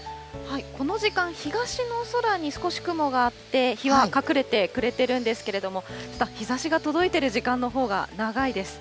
この時間、東の空に少し雲があって、日は隠れてくれてるんですけれども、日ざしが届いている時間のほうが長いです。